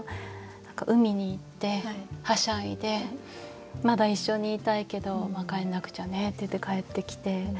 海に行ってはしゃいでまだ一緒にいたいけど帰んなくちゃねって言って帰ってきて。